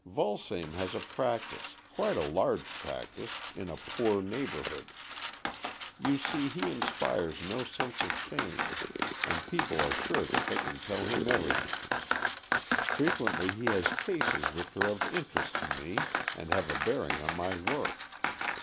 Vulsame has a practice — quite a large practice — in a poor neighbourhood. You see he inspires no sense of shame, and people are sure they can tell him everything. AN EXCHANGE OF SOULS 49 Frequently he has cases which are of interest to me and have a bearing on my work.